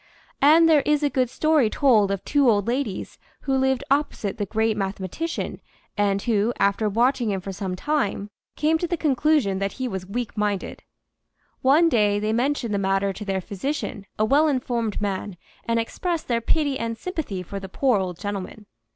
And there is a good story told of two old ladies who lived opposite the great mathematician and who after watching him for some time came to the conclusion that l8o THE SEVEN FOLLIES OF SCIENCE he was weak minded. One day they mentioned the matter to their physician, a well informed man, and expressed their pity and sympathy for the poor old gentleman.